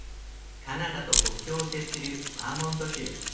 カナダと国境を接するバーモント州。